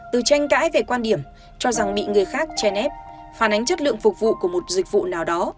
từ tranh cãi về quan điểm cho rằng bị người khác chen ép phản ánh chất lượng phục vụ của một dịch vụ nào đó